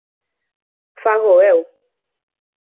Fágoo eu.